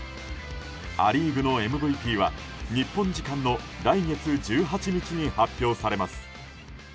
ア・リーグのＭＶＰは日本時間の来月１８日に発表されます。